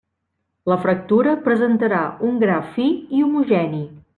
La fractura presentarà un gra fi i homogeni.